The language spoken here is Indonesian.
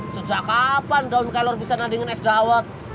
sejak kapan daun kelor bisa nandingin es dawet